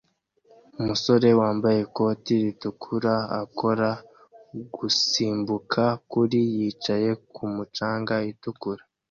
Umusore wambaye ikoti ritukura akora gusimbuka kuri yicaye kumu canga itukura